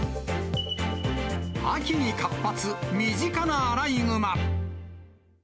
秋に活発、身近なアライグマ。